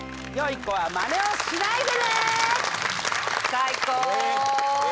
最高。